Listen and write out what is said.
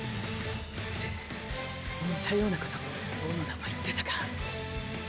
って似たようなこと小野田も言ってたか。